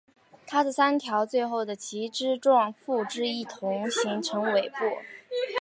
它的三条最后的旗帜状附肢一同形成尾部。